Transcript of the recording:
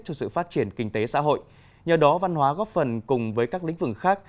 cho sự phát triển kinh tế xã hội nhờ đó văn hóa góp phần cùng với các lĩnh vực khác